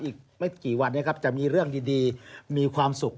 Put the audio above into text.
อีกไม่กี่วันนี้ครับจะมีเรื่องดีมีความสุข